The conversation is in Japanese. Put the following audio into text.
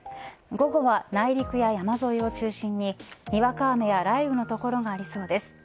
午後は内陸や山沿いを中心ににわか雨や雷雨の所がありそうです。